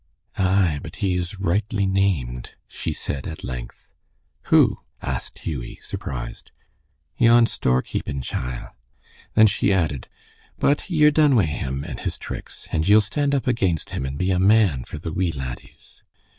"Ay, but he is rightly named," she said, at length. "Who?" asked Hughie, surprised. "Yon store keepin' chiel." Then she added, "But ye're done wi' him and his tricks, and ye'll stand up against him and be a man for the wee laddies."